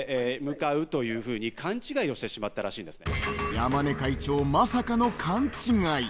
山根会長、まさかの勘違い。